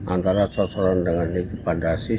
antara sosoran dengan bandasi